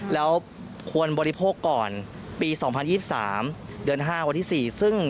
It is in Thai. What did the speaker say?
แล้วควรบริโภคก่อนปีสองพันยี่สิบสามเดือนห้าวันที่สี่